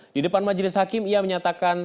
di depan majelis hakim ia menyatakan